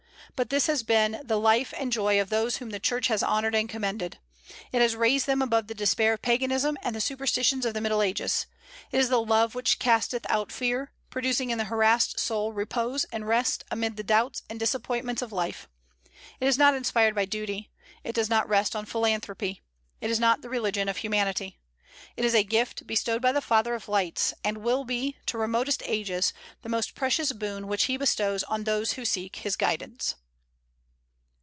But this has been the life and joy of those whom the Church has honored and commended. It has raised them above the despair of Paganism and the superstitions of the Middle Ages. It is the love which casteth out fear, producing in the harassed soul repose and rest amid the doubts and disappointments of life. It is not inspired by duty; it does not rest on philanthropy; it is not the religion of humanity. It is a gift bestowed by the Father of Lights, and will be, to remotest ages, the most precious boon which He bestows on those who seek His guidance.